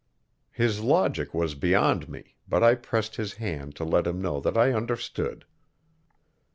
His logic was beyond me, but I pressed his hand to let him know that I understood.